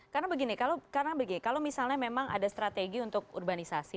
karena begini kalau misalnya memang ada strategi untuk urbanisasi